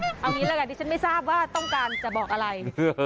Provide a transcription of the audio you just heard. เอางี้ละกันที่ฉันไม่ทราบว่าต้องการจะบอกอะไร